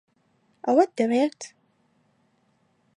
ئەوت دەوێت؟